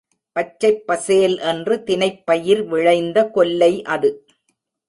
பச்சைப் பசேல் என்று தினைப் பயிர் விளைந்த கொல்லை அது.